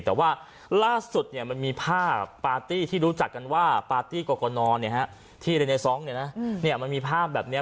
แต่ว่าล่าสุดมันมีภาพปาร์ตี้ที่รู้จักกันว่าปาร์ตี้กรกนที่เรเนซองเนี่ยนะมันมีภาพแบบนี้